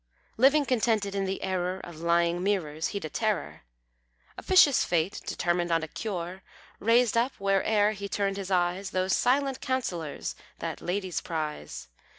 Living contented in the error, Of lying mirrors he'd a terror. Officious Fate, determined on a cure, Raised up, where'er he turned his eyes, Those silent counsellors that ladies prize.